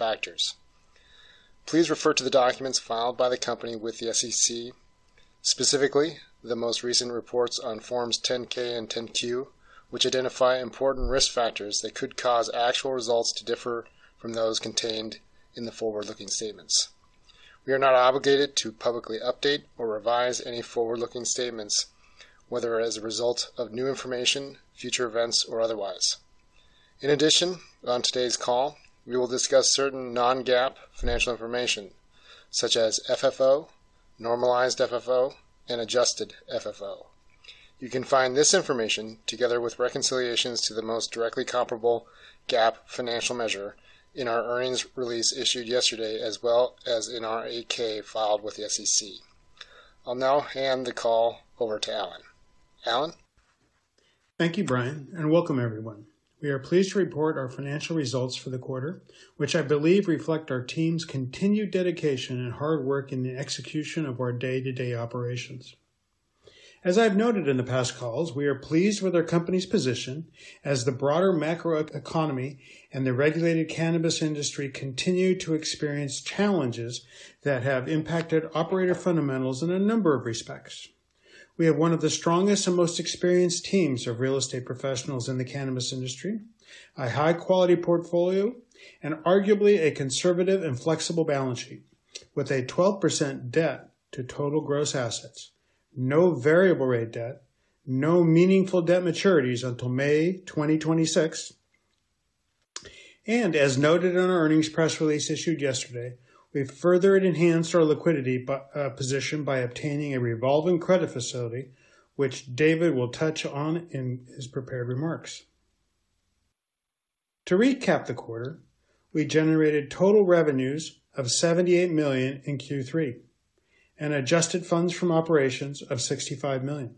Factors. Please refer to the documents filed by the company with the SEC, specifically, the most recent reports on Forms 10-K and 10-Q, which identify important risk factors that could cause actual results to differ from those contained in the forward-looking statements. We are not obligated to publicly update or revise any forward-looking statements, whether as a result of new information, future events, or otherwise. In addition, on today's call, we will discuss certain non-GAAP financial information, such as FFO, normalized FFO, and adjusted FFO. You can find this information, together with reconciliations to the most directly comparable GAAP financial measure in our earnings release issued yesterday, as well as in our 8-K filed with the SEC. I'll now hand the call over to Alan. Alan? Thank you, Brian, and welcome everyone. We are pleased to report our financial results for the quarter, which I believe reflect our team's continued dedication and hard work in the execution of our day-to-day operations. As I've noted in the past calls, we are pleased with our company's position as the broader macro economy and the regulated cannabis industry continue to experience challenges that have impacted operator fundamentals in a number of respects. We have one of the strongest and most experienced teams of real estate professionals in the cannabis industry, a high-quality portfolio, and arguably a conservative and flexible balance sheet with a 12% debt to total gross assets, no variable rate debt, no meaningful debt maturities until May 2026, and as noted in our earnings press release issued yesterday, we've further enhanced our liquidity by obtaining a revolving credit facility, which David will touch on in his prepared remarks. To recap the quarter, we generated total revenues of $78 million in Q3 and adjusted funds from operations of $65 million.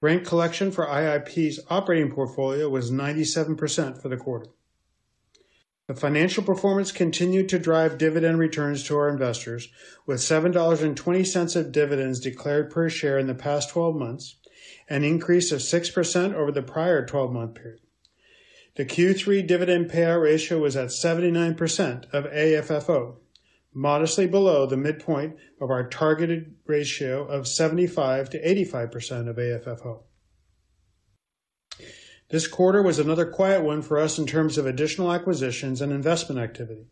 Rent collection for IIP's operating portfolio was 97% for the quarter. The financial performance continued to drive dividend returns to our investors, with $7.20 of dividends declared per share in the past 12 months, an increase of 6% over the prior twelve-month period. The Q3 dividend payout ratio was at 79% of AFFO, modestly below the midpoint of our targeted ratio of 75%-85% of AFFO. This quarter was another quiet one for us in terms of additional acquisitions and investment activity.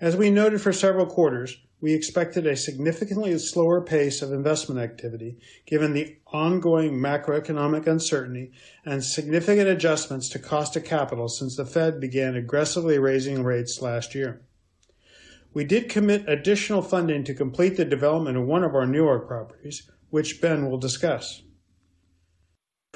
As we noted for several quarters, we expected a significantly slower pace of investment activity, given the ongoing macroeconomic uncertainty and significant adjustments to cost of capital since the Fed began aggressively raising rates last year. We did commit additional funding to complete the development of one of our newer properties, which Ben will discuss.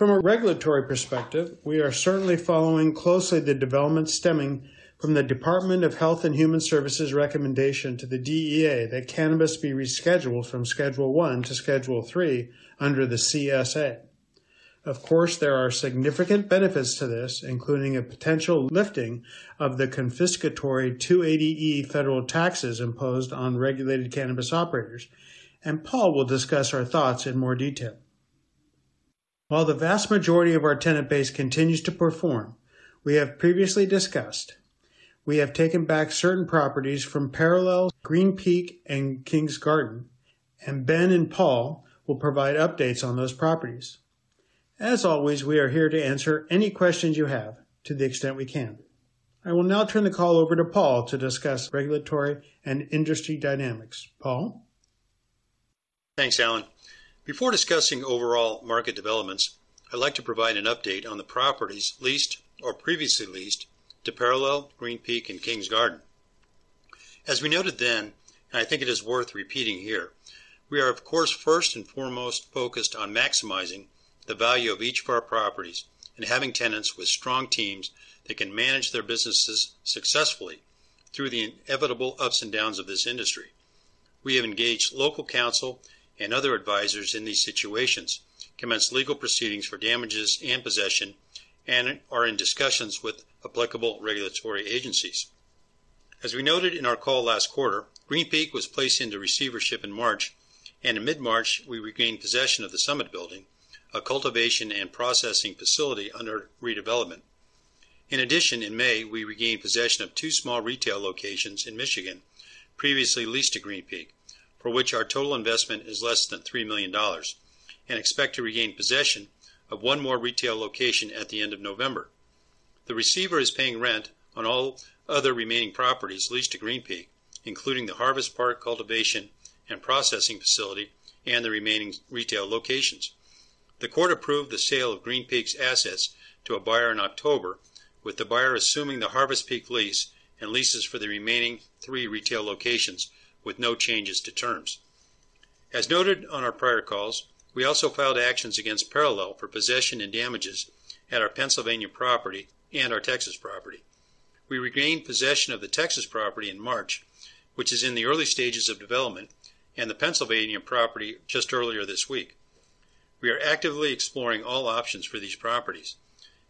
From a regulatory perspective, we are certainly following closely the development stemming from the Department of Health and Human Services recommendation to the DEA that cannabis be rescheduled from Schedule I to Schedule III under the CSA. Of course, there are significant benefits to this, including a potential lifting of the confiscatory 280E federal taxes imposed on regulated cannabis operators, and Paul will discuss our thoughts in more detail. While the vast majority of our tenant base continues to perform, we have previously discussed, we have taken back certain properties from Parallel, Green Peak, and Kings Garden, and Ben and Paul will provide updates on those properties. As always, we are here to answer any questions you have to the extent we can. I will now turn the call over to Paul to discuss regulatory and industry dynamics. Paul? Thanks, Alan. Before discussing overall market developments, I'd like to provide an update on the properties leased or previously leased to Parallel, Green Peak and Kings Garden. As we noted then, and I think it is worth repeating here, we are, of course, first and foremost focused on maximizing the value of each of our properties and having tenants with strong teams that can manage their businesses successfully through the inevitable ups and downs of this industry. We have engaged local counsel and other advisors in these situations, commenced legal proceedings for damages and possession, and are in discussions with applicable regulatory agencies. As we noted in our call last quarter, Green Peak was placed into receivership in March, and in mid-March, we regained possession of the Summit building, a cultivation and processing facility under redevelopment. In addition, in May, we regained possession of two small retail locations in Michigan, previously leased to Green Peak, for which our total investment is less than $3 million, and expect to regain possession of one more retail location at the end of November. The receiver is paying rent on all other remaining properties leased to Green Peak, including the Harvest Park cultivation and processing facility and the remaining retail locations. The court approved the sale of Green Peak's assets to a buyer in October, with the buyer assuming the Harvest Park lease and leases for the remaining three retail locations with no changes to terms. As noted on our prior calls, we also filed actions against Parallel for possession and damages at our Pennsylvania property and our Texas property. We regained possession of the Texas property in March, which is in the early stages of development and the Pennsylvania property just earlier this week. We are actively exploring all options for these properties.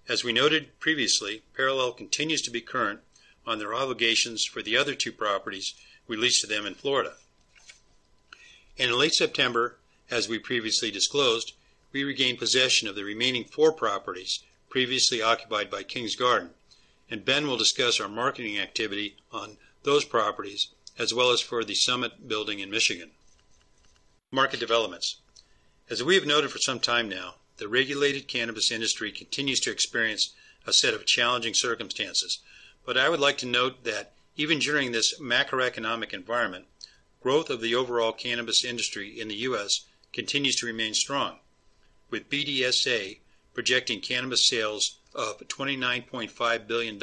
As we noted previously, Parallel continues to be current on their obligations for the other two properties we leased to them in Florida. In late September, as we previously disclosed, we regained possession of the remaining four properties previously occupied by King's Garden, and Ben will discuss our marketing activity on those properties, as well as for the Summit building in Michigan. Market developments. As we have noted for some time now, the regulated cannabis industry continues to experience a set of challenging circumstances, but I would like to note that even during this macroeconomic environment, growth of the overall cannabis industry in the U.S. continues to remain strong, with BDSA projecting cannabis sales of $29.5 billion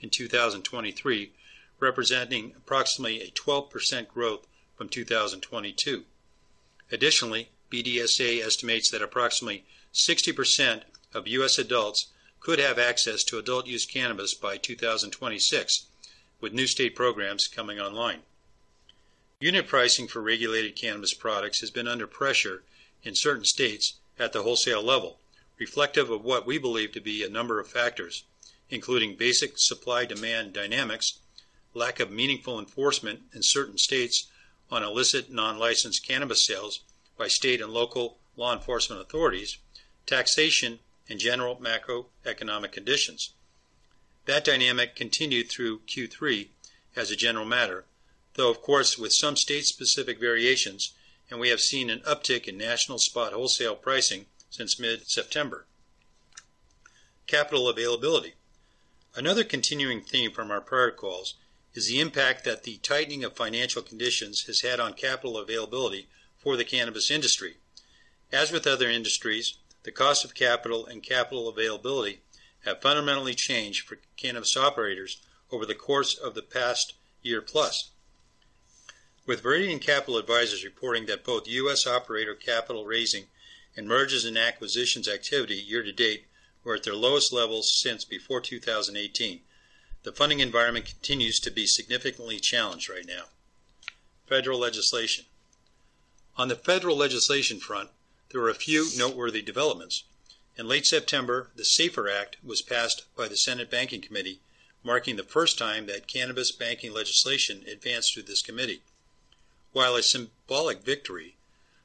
in 2023, representing approximately a 12% growth from 2022. Additionally, BDSA estimates that approximately 60% of U.S. adults could have access to adult use cannabis by 2026, with new state programs coming online. Unit pricing for regulated cannabis products has been under pressure in certain states at the wholesale level, reflective of what we believe to be a number of factors, including basic supply-demand dynamics, lack of meaningful enforcement in certain states on illicit, non-licensed cannabis sales by state and local law enforcement authorities, taxation, and general macroeconomic conditions. That dynamic continued through Q3 as a general matter, though of course, with some state-specific variations, and we have seen an uptick in national spot wholesale pricing since mid-September. Capital availability. Another continuing theme from our prior calls is the impact that the tightening of financial conditions has had on capital availability for the cannabis industry. As with other industries, the cost of capital and capital availability have fundamentally changed for cannabis operators over the course of the past year plus. With Viridian Capital Advisors reporting that both U.S. operator capital raising and mergers and acquisitions activity year to date were at their lowest levels since before 2018, the funding environment continues to be significantly challenged right now. Federal legislation. On the federal legislation front, there were a few noteworthy developments. In late September, the SAFER Act was passed by the Senate Banking Committee, marking the first time that cannabis banking legislation advanced through this committee. While a symbolic victory,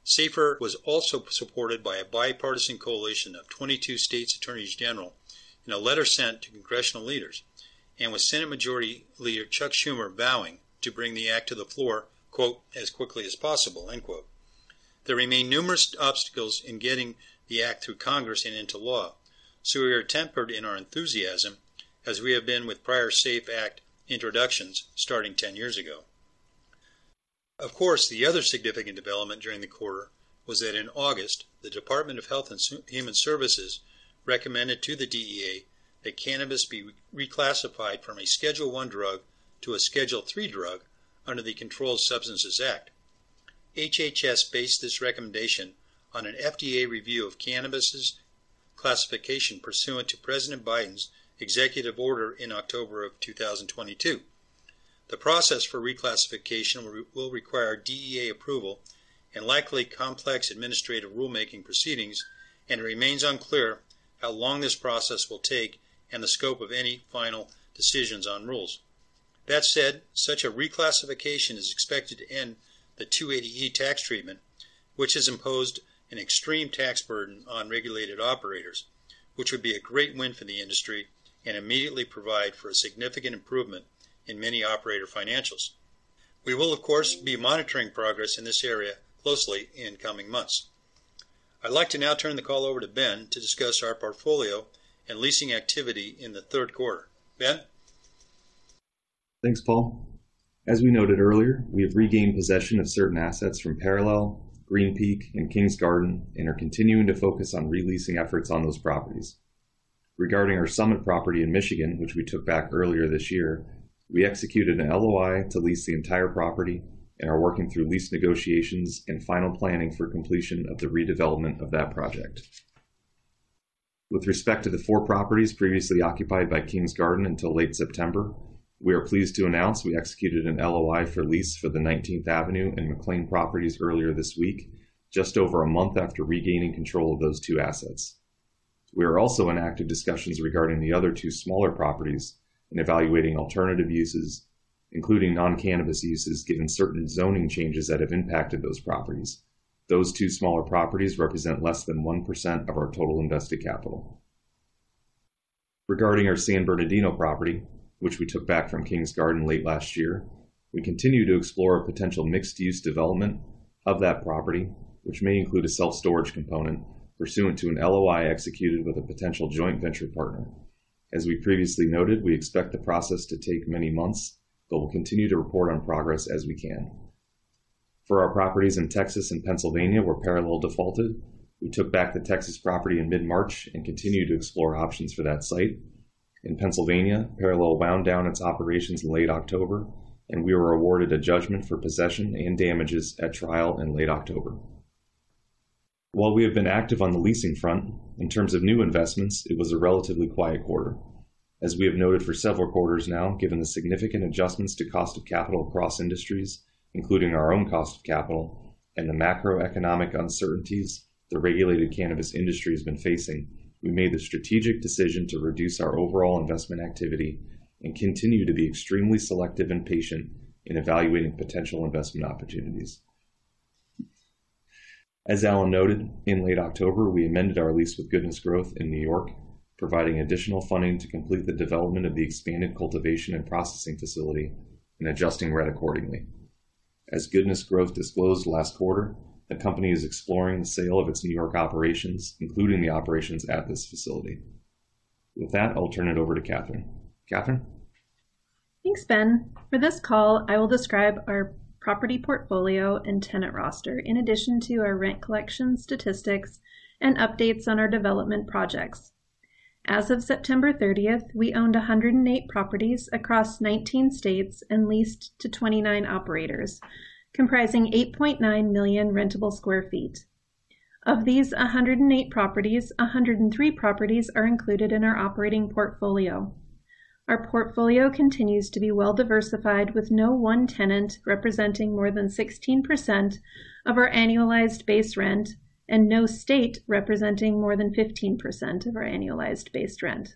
SAFER was also supported by a bipartisan coalition of 22 states' attorneys general in a letter sent to congressional leaders, and with Senate Majority Leader Chuck Schumer vowing to bring the act to the floor, quote, as quickly as possible, end quote. There remain numerous obstacles in getting the act through Congress and into law, so we are tempered in our enthusiasm as we have been with prior SAFE Act introductions starting ten years ago. Of course, the other significant development during the quarter was that in August, the Department of Health and Human Services recommended to the DEA that cannabis be reclassified from a Schedule I drug to a Schedule III drug under the Controlled Substances Act. HHS based this recommendation on an FDA review of cannabis's classification pursuant to President Biden's executive order in October of 2022. The process for reclassification will require DEA approval and likely complex administrative rulemaking proceedings, and it remains unclear how long this process will take and the scope of any final decisions on rules. That said, such a reclassification is expected to end the 280 tax treatment, which has imposed an extreme tax burden on regulated operators, which would be a great win for the industry and immediately provide for a significant improvement in many operator financials. We will, of course, be monitoring progress in this area closely in coming months. I'd like to now turn the call over to Ben to discuss our portfolio and leasing activity in the third quarter. Ben? Thanks, Paul. As we noted earlier, we have regained possession of certain assets from Parallel, Green Peak, and Kings Garden and are continuing to focus on re-leasing efforts on those properties. Regarding our Summit property in Michigan, which we took back earlier this year, we executed an LOI to lease the entire property and are working through lease negotiations and final planning for completion of the redevelopment of that project. With respect to the four properties previously occupied by Kings Garden until late September, we are pleased to announce we executed an LOI for lease for the Nineteenth Avenue and McLean properties earlier this week, just over a month after regaining control of those two assets. We are also in active discussions regarding the other two smaller properties and evaluating alternative uses, including non-cannabis uses, given certain zoning changes that have impacted those properties. Those two smaller properties represent less than 1% of our total invested capital. Regarding our San Bernardino property, which we took back from Kings Garden late last year, we continue to explore a potential mixed-use development of that property, which may include a self-storage component pursuant to an LOI executed with a potential joint venture partner. As we previously noted, we expect the process to take many months, but we'll continue to report on progress as we can. For our properties in Texas and Pennsylvania, where Parallel defaulted, we took back the Texas property in mid-March and continue to explore options for that site. In Pennsylvania, Parallel wound down its operations in late October, and we were awarded a judgment for possession and damages at trial in late October. While we have been active on the leasing front, in terms of new investments, it was a relatively quiet quarter. As we have noted for several quarters now, given the significant adjustments to cost of capital across industries, including our own cost of capital and the macroeconomic uncertainties the regulated cannabis industry has been facing, we made the strategic decision to reduce our overall investment activity and continue to be extremely selective and patient in evaluating potential investment opportunities. As Alan noted, in late October, we amended our lease with Goodness Growth in New York, providing additional funding to complete the development of the expanded cultivation and processing facility and adjusting rent accordingly. As Goodness Growth disclosed last quarter, the company is exploring the sale of its New York operations, including the operations at this facility. With that, I'll turn it over to Catherine. Catherine? Thanks, Ben. For this call, I will describe our property portfolio and tenant roster, in addition to our rent collection statistics and updates on our development projects. As of September 30th, we owned 108 properties across 19 states and leased to 29 operators, comprising 8.9 million rentable sq ft. Of these 108 properties, 103 properties are included in our operating portfolio. Our portfolio continues to be well diversified, with no one tenant representing more than 16% of our annualized base rent and no state representing more than 15% of our annualized base rent.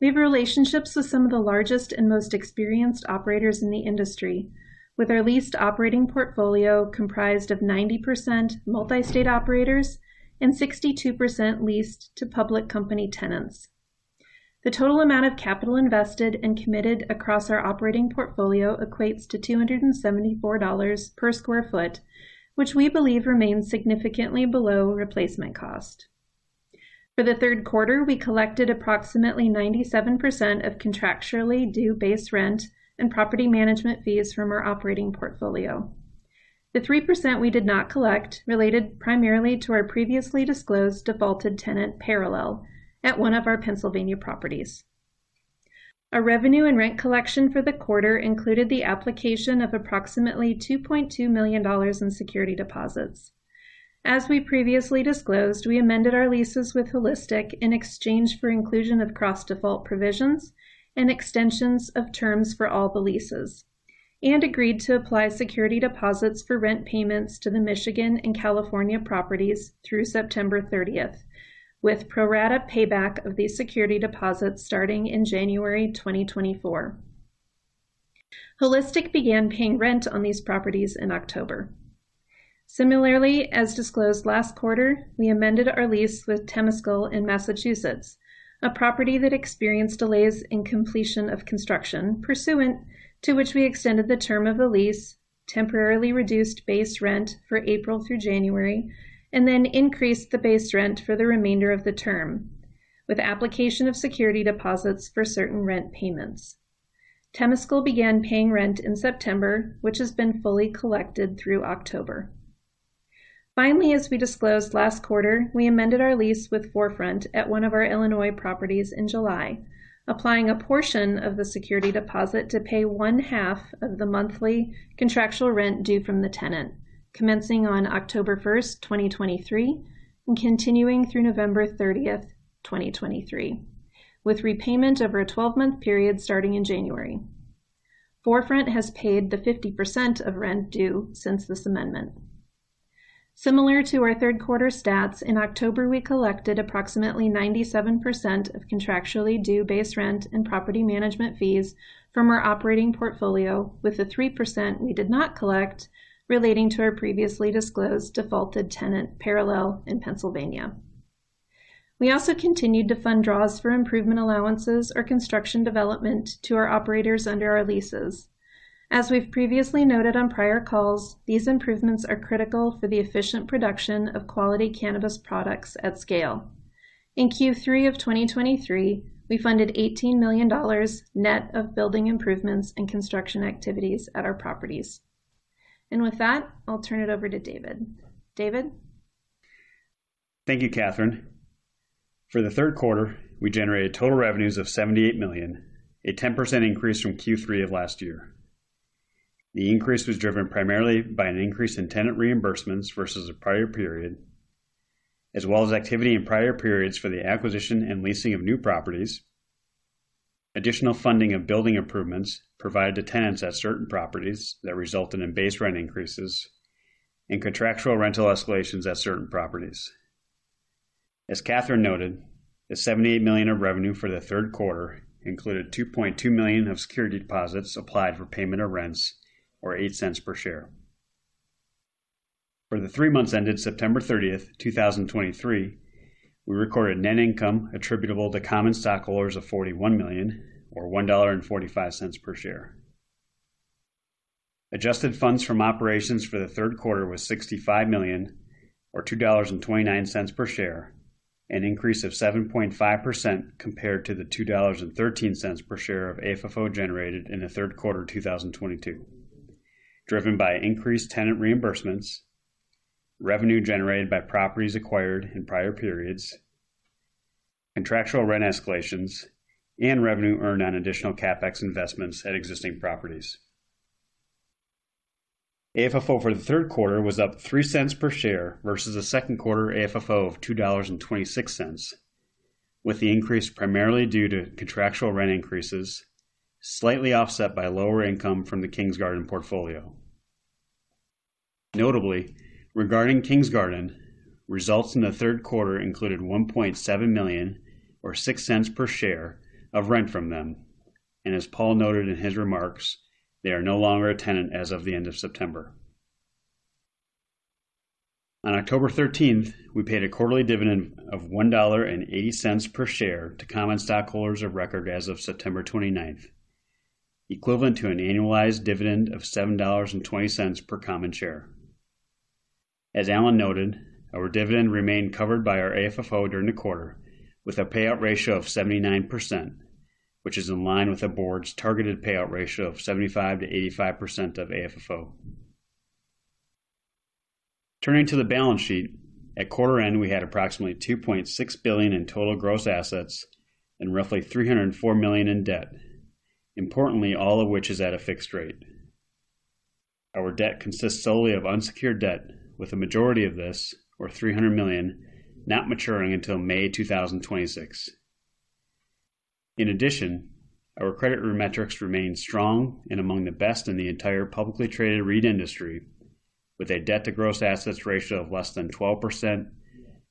We have relationships with some of the largest and most experienced operators in the industry, with our leased operating portfolio comprised of 90% multi-state operators and 62% leased to public company tenants. The total amount of capital invested and committed across our operating portfolio equates to $274 per sq ft, which we believe remains significantly below replacement cost. For the third quarter, we collected approximately 97% of contractually due base rent and property management fees from our operating portfolio. The 3% we did not collect related primarily to our previously disclosed defaulted tenant, Parallel, at one of our Pennsylvania properties. Our revenue and rent collection for the quarter included the application of approximately $2.2 million in security deposits. As we previously disclosed, we amended our leases with Holistic in exchange for inclusion of cross-default provisions and extensions of terms for all the leases, and agreed to apply security deposits for rent payments to the Michigan and California properties through September 30th, with pro rata payback of these security deposits starting in January 2024. Holistic began paying rent on these properties in October. Similarly, as disclosed last quarter, we amended our lease with Temescal in Massachusetts, a property that experienced delays in completion of construction, pursuant to which we extended the term of the lease, temporarily reduced base rent for April through January, and then increased the base rent for the remainder of the term, with application of security deposits for certain rent payments. Temescal began paying rent in September, which has been fully collected through October. Finally, as we disclosed last quarter, we amended our lease with 4Front at one of our Illinois properties in July, applying a portion of the security deposit to pay 1/2 of the monthly contractual rent due from the tenant, commencing on October 1st, 2023, and continuing through November 30, 2023, with repayment over a 12-month period starting in January. 4Front has paid the 50% of rent due since this amendment. Similar to our third quarter stats, in October, we collected approximately 97% of contractually due base rent and property management fees from our operating portfolio, with the 3% we did not collect relating to our previously disclosed defaulted tenant, Parallel in Pennsylvania. We also continued to fund draws for improvement allowances or construction development to our operators under our leases. As we've previously noted on prior calls, these improvements are critical for the efficient production of quality cannabis products at scale. In Q3 of 2023, we funded $18 million net of building improvements and construction activities at our properties. With that, I'll turn it over to David. David? Thank you, Catherine. For the third quarter, we generated total revenues of $78 million, a 10% increase from Q3 of last year. The increase was driven primarily by an increase in tenant reimbursements versus the prior period, as well as activity in prior periods for the acquisition and leasing of new properties, additional funding of building improvements provided to tenants at certain properties that resulted in base rent increases, and contractual rental escalations at certain properties. As Catherine noted, the $78 million of revenue for the third quarter included $2.2 million of security deposits applied for payment of rents or $0.08 per share. For the three months ended September 30, 2023, we recorded net income attributable to common stockholders of $41 million or $1.45 per share. Adjusted funds from operations for the third quarter was $65 million or $2.29 per share, an increase of 7.5% compared to the $2.13 per share of AFFO generated in the third quarter of 2022, driven by increased tenant reimbursements, revenue generated by properties acquired in prior periods, contractual rent escalations, and revenue earned on additional CapEx investments at existing properties. AFFO for the third quarter was up $0.03 per share versus the second quarter AFFO of $2.26, with the increase primarily due to contractual rent increases, slightly offset by lower income from the Kings Garden portfolio. Notably, regarding Kings Garden, results in the third quarter included $1.7 million or $0.06 per share of rent from them. As Paul noted in his remarks, they are no longer a tenant as of the end of September. On October 13th, we paid a quarterly dividend of $1.80 per share to common stockholders of record as of September 29th, equivalent to an annualized dividend of $7.20 per common share. As Alan noted, our dividend remained covered by our AFFO during the quarter, with a payout ratio of 79%, which is in line with the board's targeted payout ratio of 75%-85% of AFFO. Turning to the balance sheet, at quarter end, we had approximately $2.6 billion in total gross assets and roughly $304 million in debt, importantly, all of which is at a fixed rate. Our debt consists solely of unsecured debt, with the majority of this, or $300 million, not maturing until May 2026. In addition, our credit room metrics remain strong and among the best in the entire publicly traded REIT industry, with a debt to gross assets ratio of less than 12%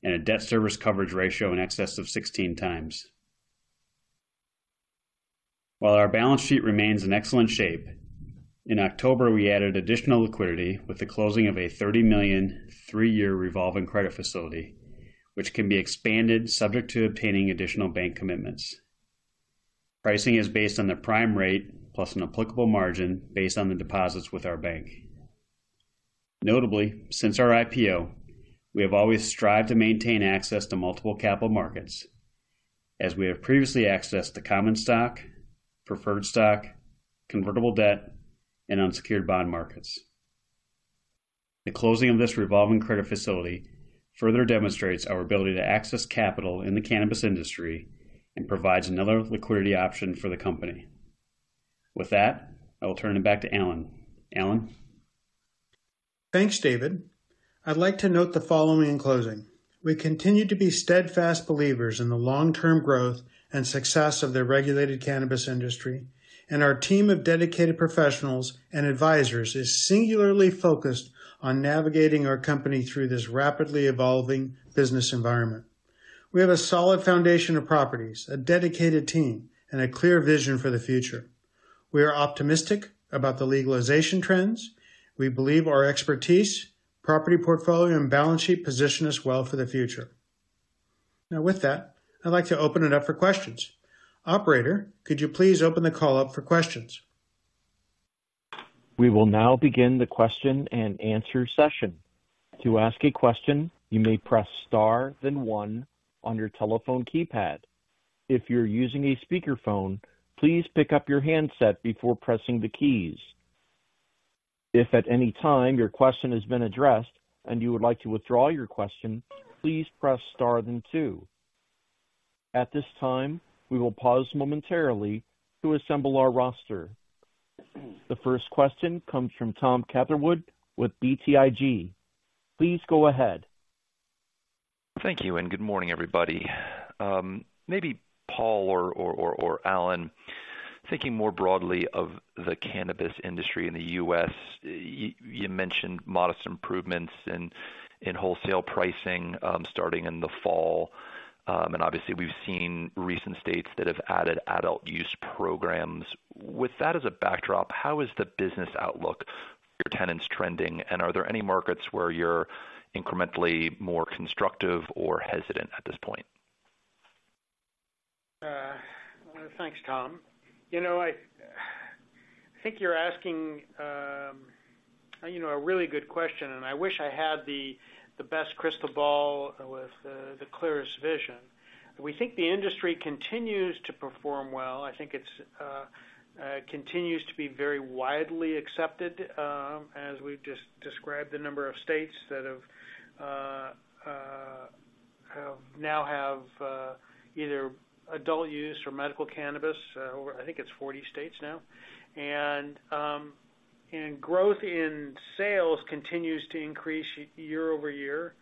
and a debt service coverage ratio in excess of 16 times. While our balance sheet remains in excellent shape, in October, we added additional liquidity with the closing of a $30 million, 3-year revolving credit facility, which can be expanded, subject to obtaining additional bank commitments. Pricing is based on the prime rate, plus an applicable margin based on the deposits with our bank. Notably, since our IPO, we have always strived to maintain access to multiple capital markets as we have previously accessed the common stock, preferred stock, convertible debt, and unsecured bond markets. The closing of this revolving credit facility further demonstrates our ability to access capital in the cannabis industry and provides another liquidity option for the company. With that, I will turn it back to Alan. Alan? Thanks, David. I'd like to note the following in closing: We continue to be steadfast believers in the long-term growth and success of the regulated cannabis industry, and our team of dedicated professionals and advisors is singularly focused on navigating our company through this rapidly evolving business environment. We have a solid foundation of properties, a dedicated team, and a clear vision for the future. We are optimistic about the legalization trends. We believe our expertise, property portfolio, and balance sheet position us well for the future. Now, with that, I'd like to open it up for questions. Operator, could you please open the call up for questions? We will now begin the question and answer session. To ask a question, you may press star, then one on your telephone keypad. If you're using a speakerphone, please pick up your handset before pressing the keys. If at any time your question has been addressed and you would like to withdraw your question, please press star then two. At this time, we will pause momentarily to assemble our roster. The first question comes from Tom Catherwood with BTIG. Please go ahead. Thank you, and good morning, everybody. Maybe Paul or Alan, thinking more broadly of the cannabis industry in the U.S., you mentioned modest improvements in wholesale pricing, starting in the fall. And obviously we've seen recent states that have added adult use programs. With that as a backdrop, how is the business outlook for your tenants trending, and are there any markets where you're incrementally more constructive or hesitant at this point? Well, thanks, Tom. You know, I think you're asking, you know, a really good question, and I wish I had the best crystal ball with the clearest vision. We think the industry continues to perform well. I think it continues to be very widely accepted, as we've just described, the number of states that now have either adult use or medical cannabis, over, I think, 40 states now. And growth in sales continues to increase year-over-year,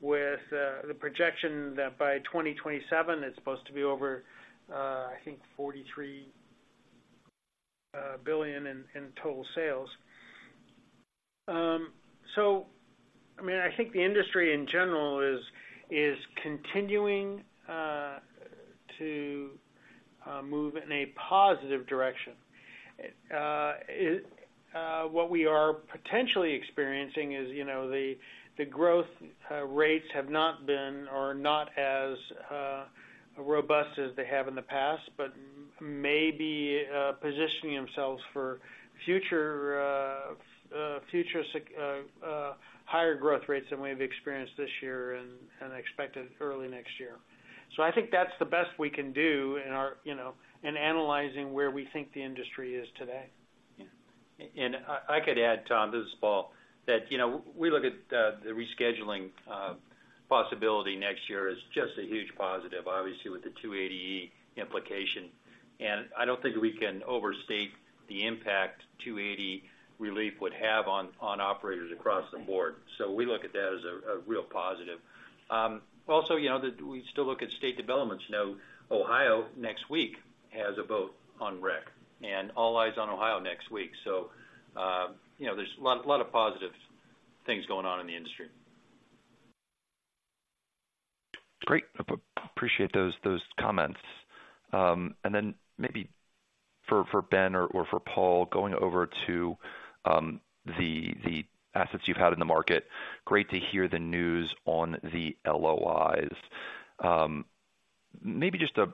with the projection that by 2027, it's supposed to be over, I think, $43 billion in total sales. So, I mean, I think the industry in general is continuing to move in a positive direction. What we are potentially experiencing is, you know, the growth rates have not been as robust as they have in the past, but maybe positioning themselves for future sector higher growth rates than we have experienced this year and expected early next year. So I think that's the best we can do in our, you know, in analyzing where we think the industry is today. Yeah. And I could add, Tom, this is Paul, that you know, we look at the rescheduling possibility next year as just a huge positive, obviously, with the 280E implication. And I don't think we can overstate the impact 280 relief would have on operators across the board. So we look at that as a real positive. Also, you know, we still look at state developments. You know, Ohio next week has a vote on rec, and all eyes on Ohio next week. So you know, there's a lot of positive things going on in the industry. Great. Appreciate those comments. And then maybe for Ben or for Paul, going over to the assets you've had in the market, great to hear the news on the LOIs. Maybe just a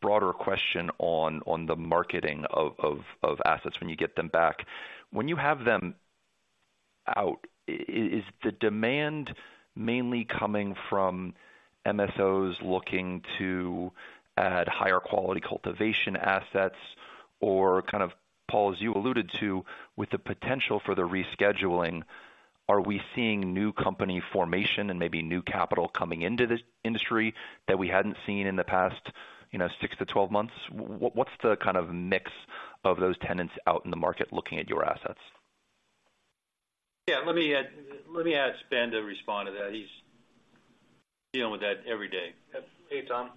broader question on the marketing of assets when you get them back. When you have them out, is the demand mainly coming from MSOs looking to add higher quality cultivation assets? Or kind of, Paul, as you alluded to, with the potential for the rescheduling, are we seeing new company formation and maybe new capital coming into this industry that we hadn't seen in the past, you know, 6-12 months? What's the kind of mix of those tenants out in the market looking at your assets? Yeah, let me add, let me ask Ben to respond to that. He's dealing with that every day. Hey, Tom.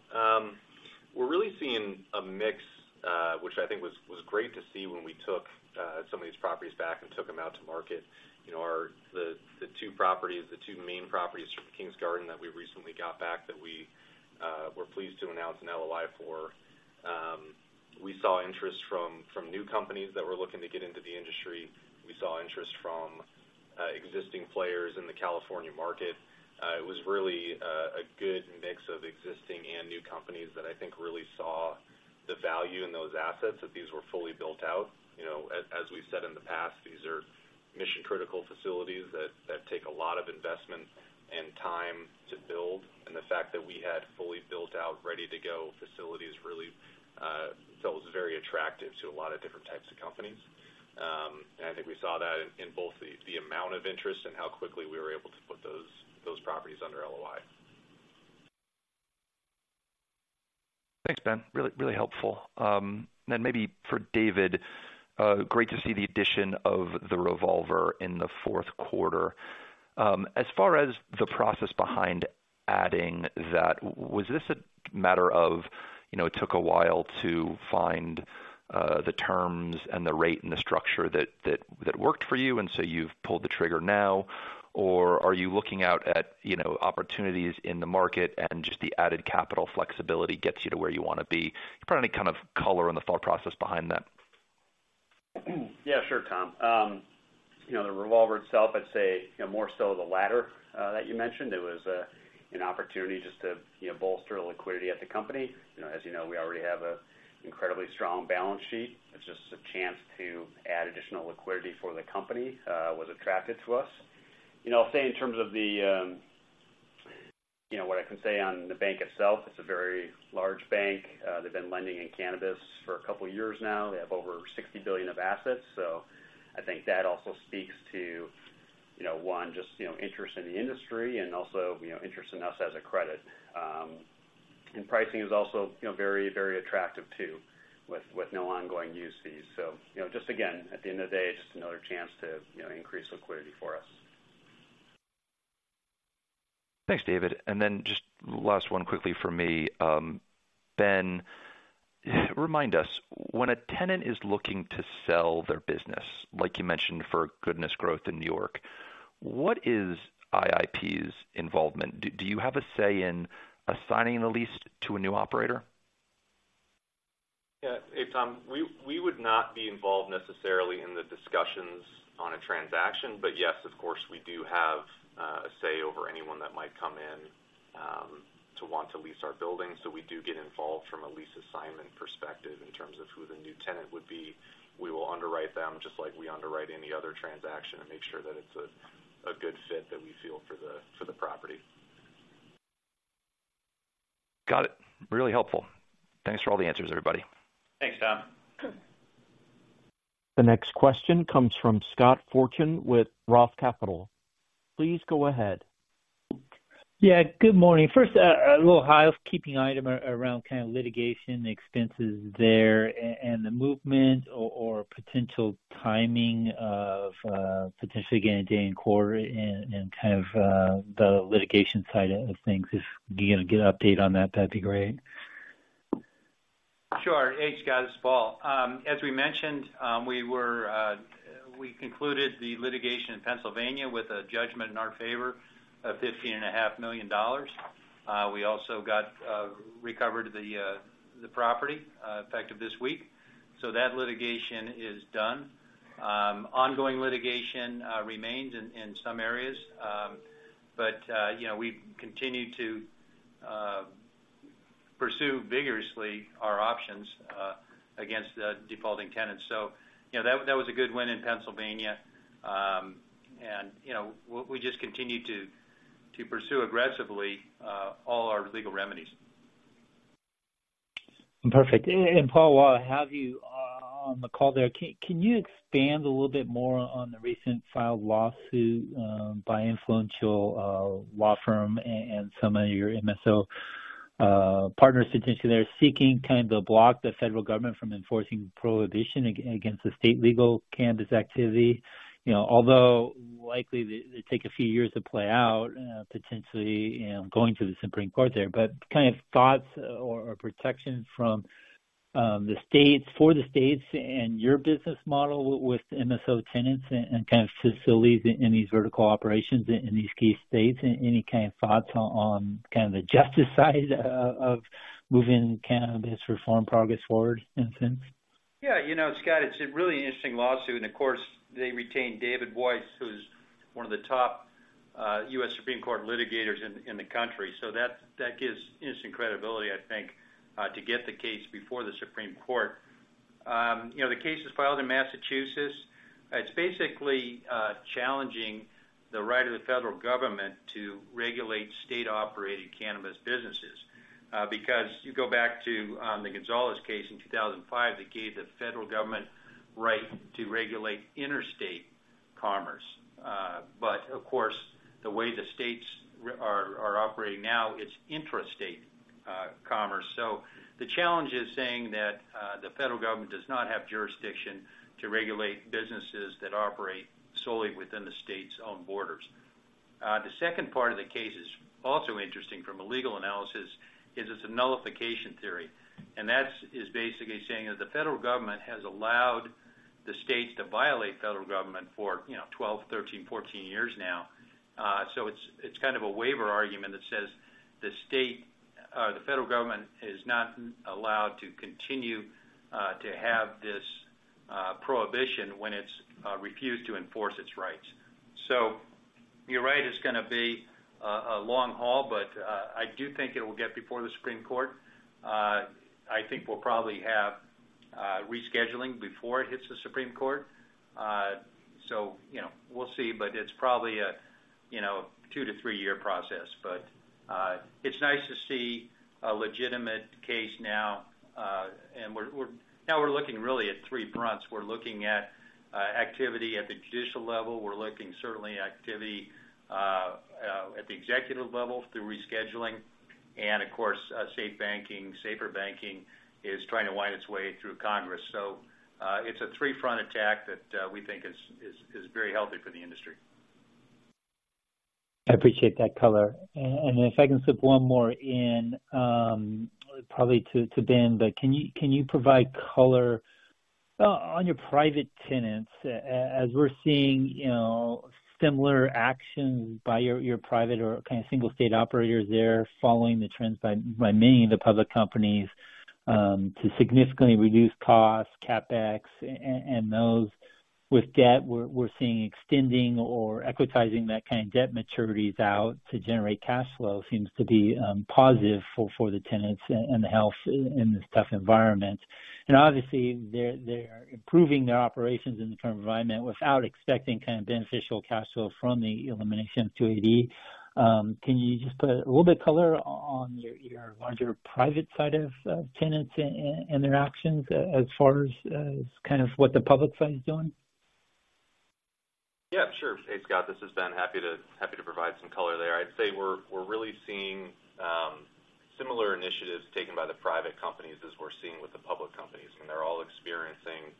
We're really seeing a mix, which I think was great to see when we took some of these properties back and took them out to market. You know, the two properties, the two main properties from King's Garden that we recently got back that we were pleased to announce an LOI for, we saw interest from new companies that were looking to get into the industry. We saw interest from existing players in the California market. It was really a good mix of existing and new companies that I think really saw the value in those assets, that these were fully built out. You know, as, as we've said in the past, these are mission-critical facilities that, that take a lot of investment and time to build, and the fact that we had fully built out, ready to go facilities really felt was very attractive to a lot of different types of companies. I think we saw that in, in both the, the amount of interest and how quickly we were able to put those, those properties under LOI. Thanks, Ben. Really, really helpful. Then maybe for David, great to see the addition of the revolver in the fourth quarter. As far as the process behind adding that, was this a matter of, you know, it took a while to find the terms and the rate and the structure that worked for you, and so you've pulled the trigger now? Or are you looking out at, you know, opportunities in the market and just the added capital flexibility gets you to where you want to be? Probably any kind of color on the thought process behind that. Yeah, sure, Tom. You know, the revolver itself, I'd say, you know, more so the latter that you mentioned. It was an opportunity just to, you know, bolster liquidity at the company. You know, as you know, we already have a incredibly strong balance sheet. It's just a chance to add additional liquidity for the company was attractive to us. You know, I'll say in terms of the, you know what I can say on the bank itself, it's a very large bank. They've been lending in cannabis for a couple of years now. They have over $60 billion of assets. So I think that also speaks to, you know, one, just, you know, interest in the industry and also, you know, interest in us as a credit. And pricing is also, you know, very, very attractive too, with no ongoing use fees. So, you know, just again, at the end of the day, it's just another chance to, you know, increase liquidity for us. Thanks, David. And then just last one quickly for me. Ben, remind us, when a tenant is looking to sell their business, like you mentioned, for Goodness Growth in New York, what is IIP's involvement? Do you have a say in assigning the lease to a new operator? Yeah. Hey, Tom, we would not be involved necessarily in the discussions on a transaction, but yes, of course, we do have a say over anyone that might come in to want to lease our building. So we do get involved from a lease assignment perspective in terms of who the new tenant would be. We will underwrite them, just like we underwrite any other transaction, and make sure that it's a good fit that we feel for the property. Got it. Really helpful. Thanks for all the answers, everybody. Thanks, Tom. The next question comes from Scott Fortune with ROTH Capital. Please go ahead. Yeah, good morning. First, a little housekeeping item around kind of litigation expenses there and, and the movement or, or potential timing of, potentially getting a day in court and, and kind of, the litigation side of things. If you can get an update on that, that'd be great. Sure. Hey, Scott, it's Paul. As we mentioned, we concluded the litigation in Pennsylvania with a judgment in our favor of $15.5 million. We also recovered the property effective this week. So that litigation is done. Ongoing litigation remains in some areas, but you know, we continue to pursue vigorously our options against the defaulting tenants. So, you know, that was a good win in Pennsylvania. And you know, we just continue to pursue aggressively all our legal remedies. Perfect. And Paul, while I have you on the call there, can you expand a little bit more on the recent filed lawsuit by influential law firm and some of your MSO partners, potentially they're seeking kind of to block the federal government from enforcing prohibition against the state legal cannabis activity? You know, although likely it take a few years to play out, potentially you know going to the Supreme Court there, but kind of thoughts or protections from this the states, for the states and your business model with MSO tenants and kind of facilities in these vertical operations in these key states. Any kind of thoughts on kind of the justice side of moving cannabis reform progress forward in a sense? Yeah, you know, Scott, it's a really interesting lawsuit. And of course, they retained David Boies, who's one of the top, U.S. Supreme Court litigators in, in the country. So that, that gives instant credibility, I think, to get the case before the Supreme Court. You know, the case is filed in Massachusetts. It's basically, challenging the right of the federal government to regulate state-operated cannabis businesses. Because you go back to, the Gonzales case in 2005, that gave the federal government right to regulate interstate commerce. But of course, the way the states are operating now, it's intrastate, commerce. So the challenge is saying that, the federal government does not have jurisdiction to regulate businesses that operate solely within the state's own borders. The second part of the case is also interesting from a legal analysis. It's a nullification theory, and that's basically saying that the federal government has allowed the states to violate federal government for, you know, 12, 13, 14 years now. So it's kind of a waiver argument that says the state, the federal government is not allowed to continue to have this prohibition when it's refused to enforce its rights. So you're right, it's gonna be a long haul, but I do think it will get before the Supreme Court. I think we'll probably have rescheduling before it hits the Supreme Court. So, you know, we'll see, but it's probably a two to three-year process. But it's nice to see a legitimate case now, and we're now looking really at three fronts. We're looking at activity at the judicial level. We're looking certainly activity at the executive level through rescheduling. And of course, safe banking, SAFER banking is trying to wind its way through Congress. So it's a three-front attack that we think is very healthy for the industry. I appreciate that color. And if I can slip one more in, probably to Ben. But can you provide color on your private tenants, as we're seeing, you know, similar actions by your private or kind of single state operators there, following the trends by many of the public companies to significantly reduce costs, CapEx, and those with debt, we're seeing extending or equitizing that kind of debt maturities out to generate cash flow seems to be positive for the tenants and the health in this tough environment. And obviously, they're improving their operations in the current environment without expecting kind of beneficial cash flow from the elimination of 280E. Can you just put a little bit of color on your private side of tenants and their actions as far as kind of what the public side is doing? Yeah, sure. Hey, Scott, this is Ben. Happy to, happy to provide some color there. I'd say we're, we're really seeing similar initiatives taken by the private companies as we're seeing with the public companies, and they're all experiencing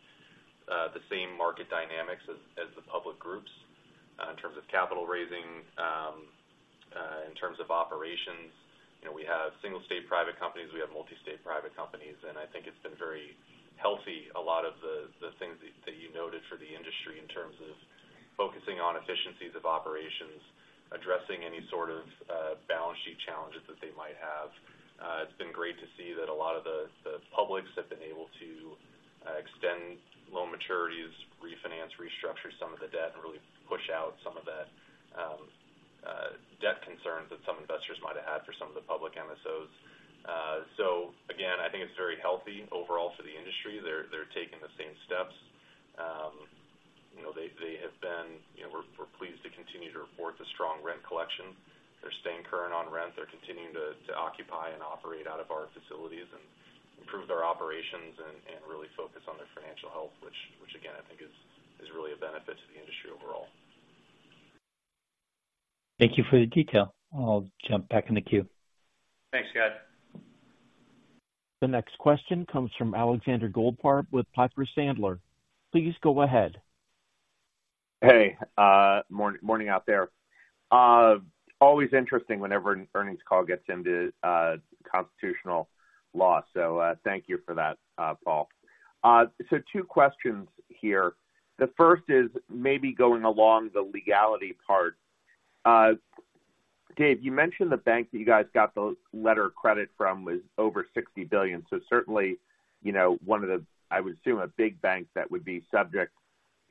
the same market dynamics as the public groups in terms of capital raising, in terms of operations. You know, we have single state private companies, we have multi-state private companies, and I think it's been very healthy, a lot of the things that you noted for the industry in terms of focusing on efficiencies of operations, addressing any sort of balance sheet challenges that they might have. It's been great to see that a lot of the publics have been able to extend loan maturities, refinance, restructure some of the debt, and really push out some of that debt concerns that some investors might have had for some of the public MSOs. So again, I think it's very healthy overall for the industry. They're taking the same steps. You know, they have been, you know... We're pleased to continue to report the strong rent collection. They're staying current on rent. They're continuing to occupy and operate out of our facilities and improve their operations and really focus on their financial health, which again, I think is really a benefit to the industry overall. Thank you for the detail. I'll jump back in the queue. Thanks, Scott. The next question comes from Alexander Goldfarb with Piper Sandler. Please go ahead. Hey, morning, morning out there. Always interesting whenever an earnings call gets into constitutional law. So, thank you for that, Paul. So two questions here. The first is maybe going along the legality part. Dave, you mentioned the bank that you guys got the letter of credit from was over $60 billion. So certainly, you know, one of the, I would assume, a big bank that would be subject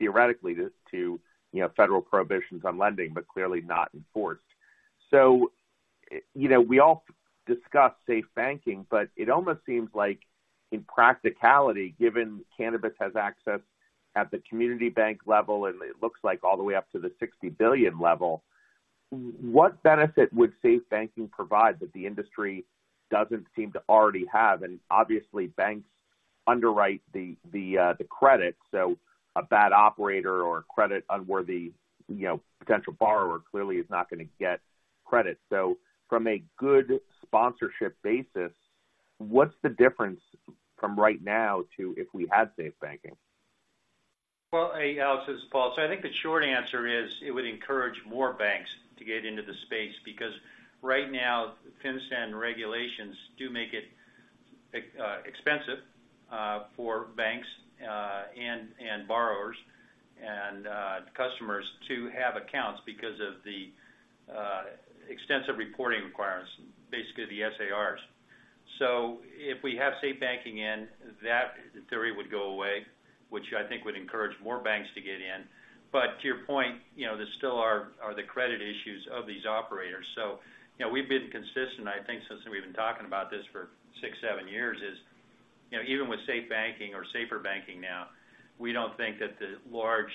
theoretically to, to, you know, federal prohibitions on lending, but clearly not enforced. So, you know, we all discuss safe banking, but it almost seems like in practicality, given cannabis has access at the community bank level and it looks like all the way up to the $60 billion level, what benefit would safe banking provide that the industry doesn't seem to already have? Obviously, banks underwrite the credit, so a bad operator or credit unworthy, you know, potential borrower clearly is not gonna get credit. So from a good sponsorship basis, what's the difference from right now to if we had safe banking? Well, hey, Alex, this is Paul. So I think the short answer is it would encourage more banks to get into the space, because right now, FinCEN regulations do make it expensive for banks and borrowers and customers to have accounts because of the extensive reporting requirements, basically the SARs. So if we have safe banking in, that theory would go away, which I think would encourage more banks to get in. But to your point, you know, there still are the credit issues of these operators. So, you know, we've been consistent, I think, since we've been talking about this for six, seven years, is, you know, even with safe banking or safer banking now, we don't think that the large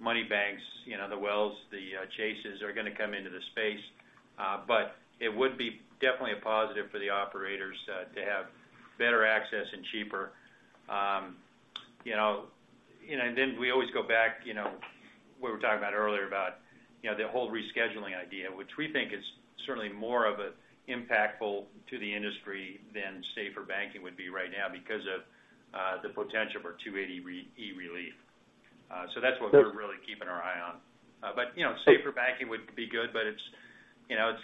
money banks, you know, the Wells, the Chases, are gonna come into the space. But it would be definitely a positive for the operators, to have better access and cheaper. You know, and then we always go back, you know, we were talking about earlier about, you know, the whole rescheduling idea, which we think is certainly more of a impactful to the industry than safer banking would be right now because of, the potential for 280E relief. So that's what we're really keeping our eye on. But, you know, safer banking would be good, but it's, you know,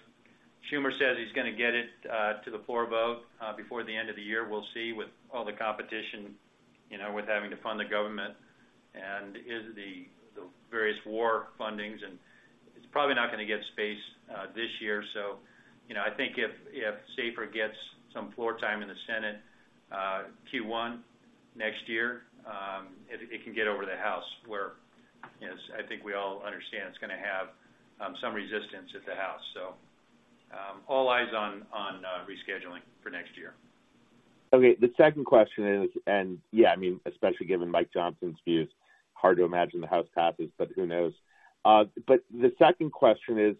Schumer says he's gonna get it, to the floor vote, before the end of the year. We'll see with all the competition, you know, with having to fund the government and is the, the various war fundings, and it's probably not gonna get space, this year. So, you know, I think if, if SAFER gets some floor time in the Senate, Q1 next year, it, it can get over to the House, where, you know, I think we all understand it's gonna have some resistance at the House. So, all eyes on, on, rescheduling for next year. Okay, the second question is, and yeah, I mean, especially given Mike Johnson's views, hard to imagine the House passes, but who knows? But the second question is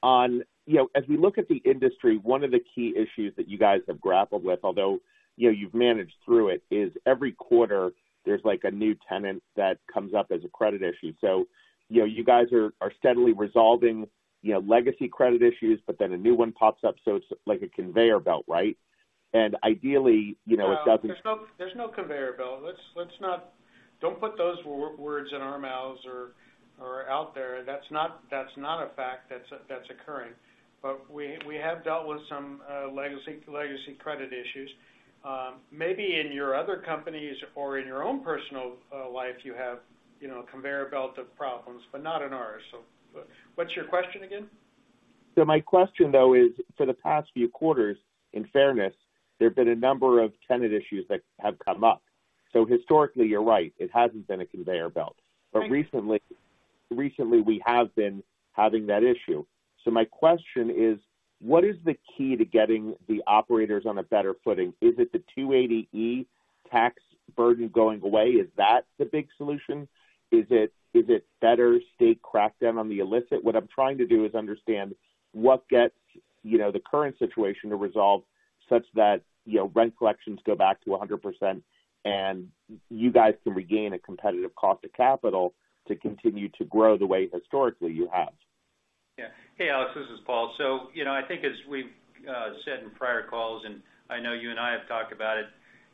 on, you know, as we look at the industry, one of the key issues that you guys have grappled with, although, you know, you've managed through it, is every quarter, there's like a new tenant that comes up as a credit issue. So, you know, you guys are, are steadily resolving, you know, legacy credit issues, but then a new one pops up, so it's like a conveyor belt, right? And ideally, you know, it doesn't. Well, there's no, there's no conveyor belt. Let's, let's not don't put those words in our mouths or, or out there. That's not, that's not a fact that's, that's occurring. But we, we have dealt with some legacy, legacy credit issues. Maybe in your other companies or in your own personal life, you have, you know, a conveyor belt of problems, but not in ours. So what's your question again? My question, though, is for the past few quarters, in fairness, there have been a number of tenant issues that have come up. Historically, you're right, it hasn't been a conveyor belt. Right. But recently, recently, we have been having that issue. So my question is, what is the key to getting the operators on a better footing? Is it the 280E tax burden going away? Is that the big solution? Is it, is it better state crackdown on the illicit? What I'm trying to do is understand what gets, you know, the current situation to resolve such that, you know, rent collections go back to 100%, and you guys can regain a competitive cost of capital to continue to grow the way historically you have. Yeah. Hey, Alex, this is Paul. So, you know, I think as we've said in prior calls, and I know you and I have talked about it,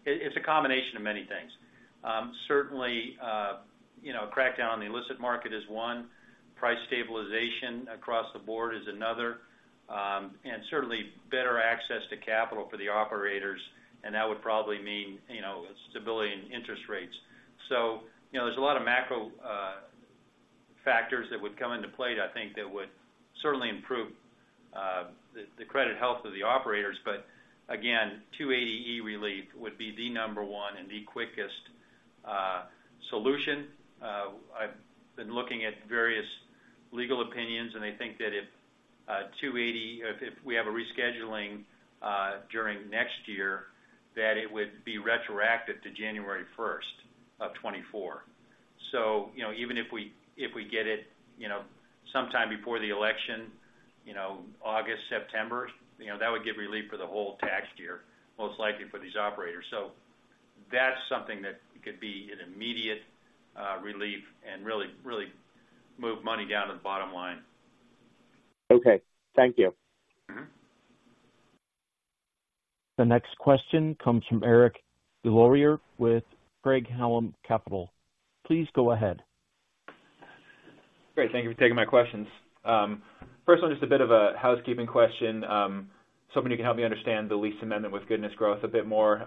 it, it's a combination of many things. Certainly, you know, crackdown on the illicit market is one, price stabilization across the board is another, and certainly better access to capital for the operators, and that would probably mean, you know, stability in interest rates. So, you know, there's a lot of macro factors that would come into play, I think that would certainly improve the credit health of the operators. But again, 280E relief would be the number one and the quickest solution. I've been looking at various legal opinions, and they think that if 280E, if we have a rescheduling during next year, that it would be retroactive to January 1st, 2024. So, you know, even if we get it, you know, sometime before the election, you know, August, September, you know, that would give relief for the whole tax year, most likely for these operators. So that's something that could be an immediate relief and really, really move money down to the bottom line. Okay. Thank you. Mm-hmm. The next question comes from Eric Des Lauriers with Craig-Hallum Capital. Please go ahead. Great. Thank you for taking my questions. First one, just a bit of a housekeeping question. Hoping you can help me understand the lease amendment with Goodness Growth a bit more.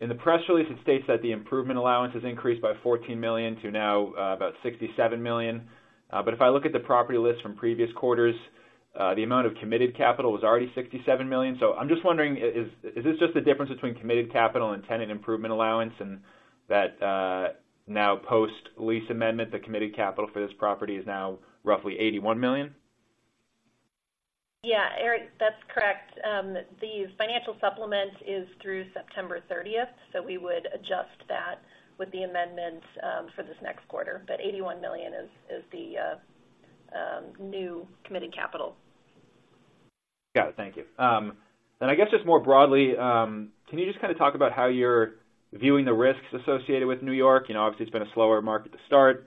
In the press release, it states that the improvement allowance has increased by $14 million to now about $67 million. But if I look at the property list from previous quarters, the amount of committed capital was already $67 million. So I'm just wondering, is this just the difference between committed capital and tenant improvement allowance, and that now post-lease amendment, the committed capital for this property is now roughly $81 million? Yeah, Eric, that's correct. The financial supplement is through September thirtieth, so we would adjust that with the amendments for this next quarter. But $81 million is the new committed capital. Got it. Thank you. Then I guess just more broadly, can you just kind of talk about how you're viewing the risks associated with New York? You know, obviously, it's been a slower market to start.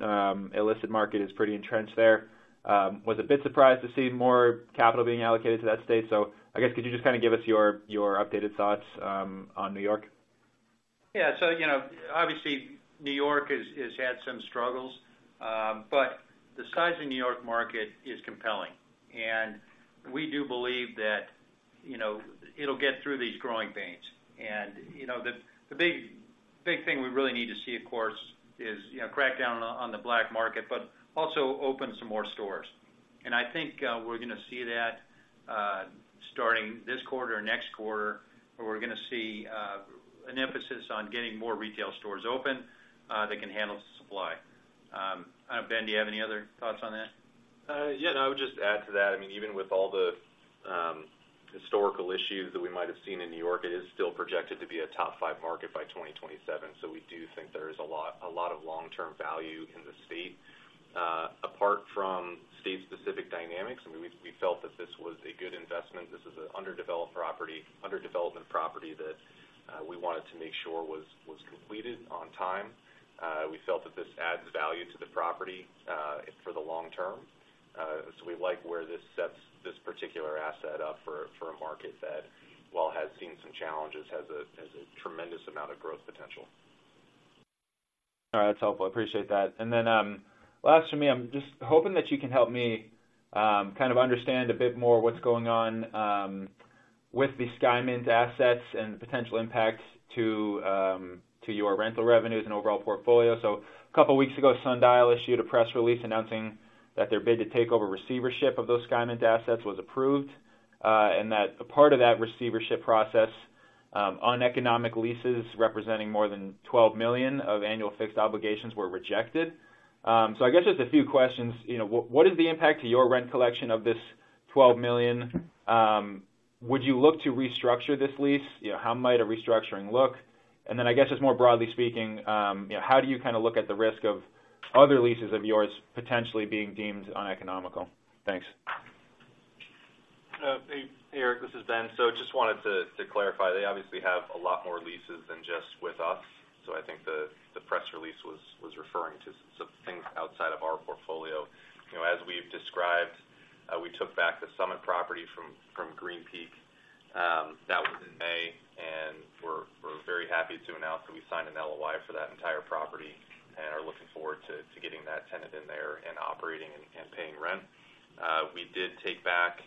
Illicit market is pretty entrenched there. Was a bit surprised to see more capital being allocated to that state. So I guess, could you just kind of give us your, your updated thoughts, on New York? Yeah, so, you know, obviously, New York has had some struggles, but the size of New York market is compelling, and we do believe that, you know, it'll get through these growing pains. And, you know, the big, big thing we really need to see, of course, is, you know, crack down on the black market, but also open some more stores. And I think, we're gonna see that, starting this quarter or next quarter, where we're gonna see, an emphasis on getting more retail stores open, that can handle the supply. Ben, do you have any other thoughts on that? Yeah, no, I would just add to that. I mean, even with all the historical issues that we might have seen in New York, it is still projected to be a top five market by 2027. So we do think there is a lot, a lot of long-term value in the state. Apart from state-specific dynamics, I mean, we felt that this was a good investment. This is an underdeveloped property that we wanted to make sure was completed on time. We felt that this adds value to the property for the long term. So we like where this sets this particular asset up for a market that, while has seen some challenges, has a tremendous amount of growth potential. All right, that's helpful. I appreciate that. And then, last for me, I'm just hoping that you can help me, kind of understand a bit more what's going on, with the Green Peak's assets and the potential impacts to, to your rental revenues and overall portfolio. So a couple of weeks ago, Sundial issued a press release announcing that their bid to take over receivership of those Green Peak's assets was approved, and that as part of that receivership process, economic leases representing more than $12 million of annual fixed obligations were rejected. So I guess just a few questions. You know, what, what is the impact to your rent collection of this $12 million? Would you look to restructure this lease? You know, how might a restructuring look? And then I guess just more broadly speaking, you know, how do you kind of look at the risk of other leases of yours potentially being deemed uneconomical? Thanks. Hey, Eric, this is Ben. So just wanted to clarify, they obviously have a lot more leases than just with us, so I think the press release was referring to some things outside of our portfolio. You know, as we've described, we took back the Summit property from Green Peak, that was in May, and we're very happy to announce that we signed an LOI for that entire property, and are looking forward to getting that tenant in there and operating and paying rent. We did take back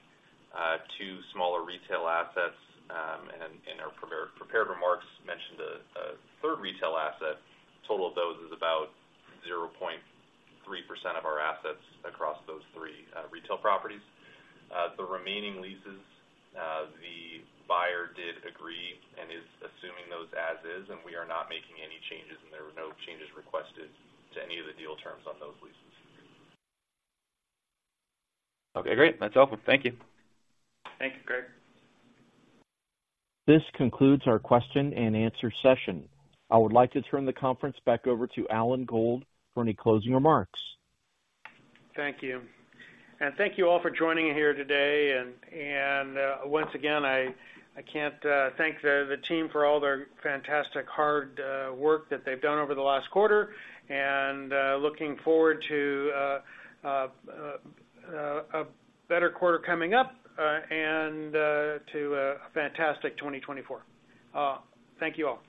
two smaller retail assets, and in our prepared remarks, mentioned a third retail asset. Total of those is about 0.3% of our assets across those three retail properties. The remaining leases, the buyer did agree and is assuming those as is, and we are not making any changes, and there were no changes requested to any of the deal terms on those leases. Okay, great. That's helpful. Thank you. Thank you, Eric. This concludes our question and answer session. I would like to turn the conference back over to Alan Gold for any closing remarks. Thank you. And thank you all for joining me here today, and once again, I can't thank the team for all their fantastic, hard work that they've done over the last quarter, and looking forward to a better quarter coming up, and to a fantastic 2024. Thank you, all.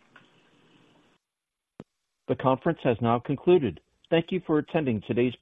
The conference has now concluded. Thank you for attending today's presentation.